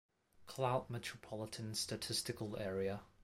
Cloud Metropolitan Statistical Area.